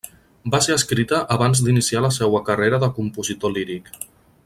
Va ser escrita abans d'iniciar la seua carrera de compositor líric.